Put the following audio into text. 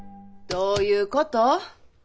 どういうこと！